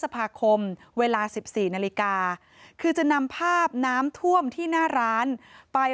พอมาดูภาพก็ตกใจ